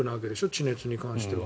地熱に関しては。